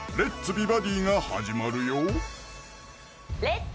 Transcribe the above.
美バディ」が始まるよ「レッツ！